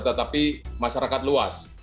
tetapi masyarakat luas